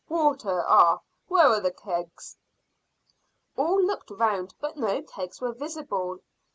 "Water. Ah! Where are the kegs?" All looked round, but no kegs were visible.